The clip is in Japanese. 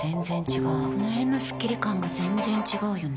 この辺のスッキリ感が全然違うよね。